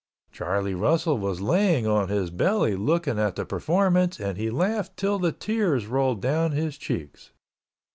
Charlie Russell was laying on his belly looking at the performance, and he laughed till the tears rolled down his cheeks.